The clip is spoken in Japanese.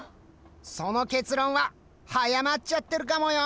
その結論は早まっちゃってるかもよ？